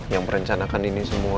yang merencanakan ini semua